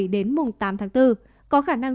đến mùng tám tháng bốn có khả năng